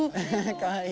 かわいい！